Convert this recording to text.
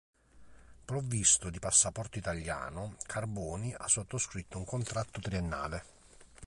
Provvisto di passaporto italiano, Carboni ha sottoscritto un contratto triennale.